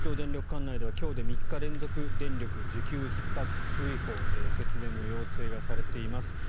管内では今日で３日連続電力需給ひっ迫注意報節電の要請がされています。